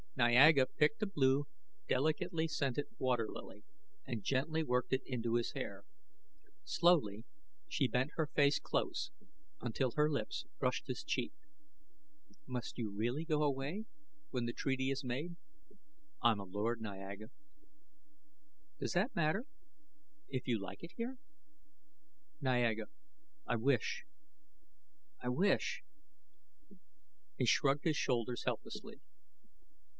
Niaga picked a blue, delicately scented water lily, and gently worked it into his hair. Slowly she bent her face close until her lips brushed his cheek. "Must you really go away when the treaty is made?" "I'm a Lord, Niaga." "Does that matter? If you like it here " "Niaga, I wish I wish " He shrugged his shoulders helplessly.